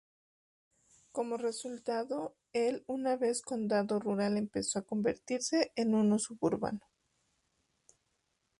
Como resultado, el una vez condado rural empezó a convertirse en uno suburbano.